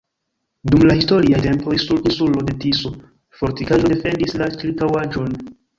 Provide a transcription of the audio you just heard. Dum la historiaj tempoj sur insulo de Tiso fortikaĵo defendis la ĉirkaŭaĵon.